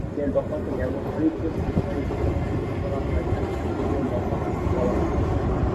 যে দফাকে ব্যাকরণিক বিষয় হিসেবে চিহ্নিত করা হয় তাকে সক্রিয় দফা বলা হয়।